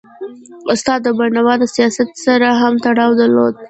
استاد بینوا د سیاست سره هم تړاو درلود.